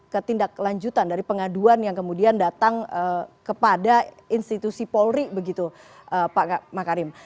ketindak lanjutan dari pengaduan yang kemudian datang kepada institusi polri begitu pak makarim